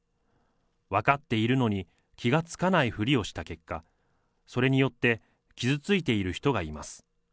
分かっているのに気が付かないふりをした、それによって、傷ついている人がいます。